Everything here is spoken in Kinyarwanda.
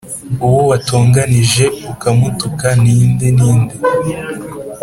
Uwo watonganije ukamutuka ni nde Ni nde